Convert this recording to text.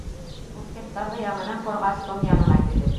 Мушкеттарҙы яңынан ҡорғас, Том янына килдек.